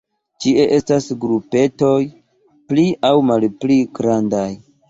Ĉie estas grupetoj pli aŭ malpli grandaj.